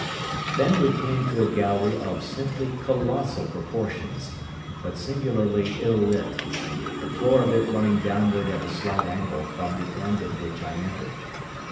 Then we came to a gallery of simply colossal proportions, but singularly ill lit, the floor of it running downward at a slight angle from the end at which I entered.